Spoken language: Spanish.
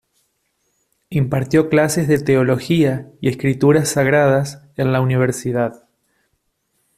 Impartió clases de teología y escrituras sagradas en la Universidad.